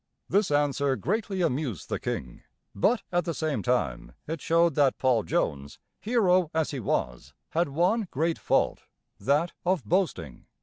This answer greatly amused the king; but at the same time it showed that Paul Jones, hero as he was, had one great fault that of boasting.